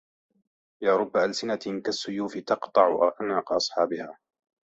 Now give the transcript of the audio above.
يَا رُبَّ أَلْسِنَةٍ كَالسُّيُوفِ تَقْطَعُ أَعْنَاقَ أَصْحَابِهَا